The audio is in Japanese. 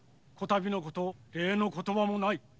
こたびのこと礼の言葉もない。